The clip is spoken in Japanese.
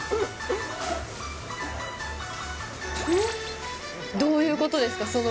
んっ？どういうことですか？